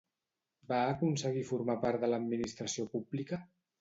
Va aconseguir formar part de l'administració pública?